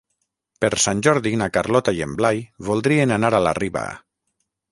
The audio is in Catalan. Per Sant Jordi na Carlota i en Blai voldrien anar a la Riba.